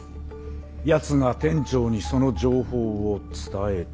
やつが店長にその情報を伝えた。